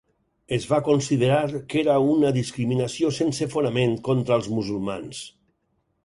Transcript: Es va considerar que era una discriminació sense fonament contra els musulmans.